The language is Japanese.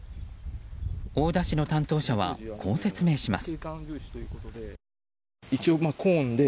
大田市の担当者はこう説明しています。